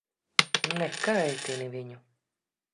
Nekaitini viņu.